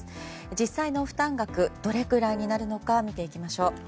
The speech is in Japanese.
実際の負担額どれくらいになるのか見ていきましょう。